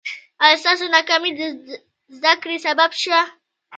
ایا ستاسو ناکامي د زده کړې سبب شوه؟